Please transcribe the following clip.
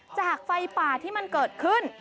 ไฟป่าที่มันเกิดขึ้น